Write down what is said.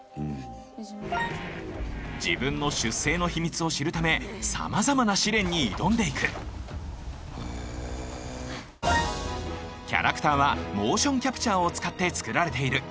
自分の出生の秘密を知るためさまざまな試練に挑んでいくキャラクターはモーションキャプチャーを使って作られている。